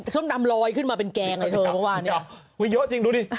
ส้มดำลอยขึ้นมาเป็นแกงอ่ะเธอเมื่อวานเนี้ยอุ้ยเยอะจริงดูดิ